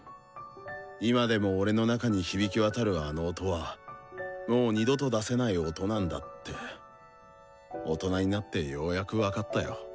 今でも俺の中に響き渡るあの「音」はもう二度と出せない「音」なんだって大人になってようやく分かったよ。